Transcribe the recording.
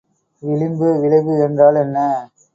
விளிம்பு விளைவு என்றால் என்ன?